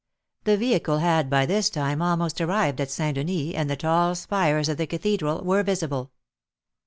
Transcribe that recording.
The vehicle had by this time almost arrived at St. Denis, and the tall spires of the cathedral were visible.